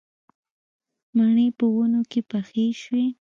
مڼې په ونو کې پخې شوې